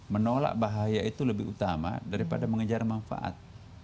menolak bahaya itu lebih utama daripada mengejar manfaat